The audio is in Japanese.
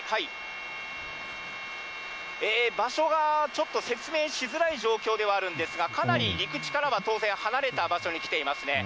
場所がちょっと説明しづらい状況ではあるんですが、かなり陸地からは当然離れた場所に来ていますね。